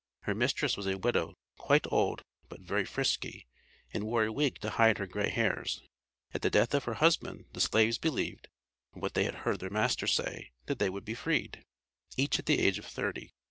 Her mistress was a widow, "quite old," but "very frisky," and "wore a wig to hide her gray hairs." At the death of her husband, the slaves believed, from what they had heard their master say, that they would be freed, each at the age of thirty.